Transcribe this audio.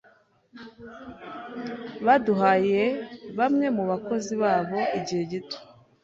Baduhaye bamwe mu bakozi babo igihe gito.